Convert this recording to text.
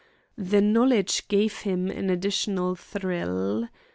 The knowledge gave him an additional thrill.